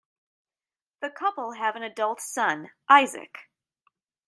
The couple have an adult son, Isaac.